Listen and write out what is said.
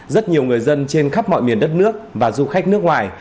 rất nhiều người dân trên khắp mọi miền đất nước và du khách nước ngoài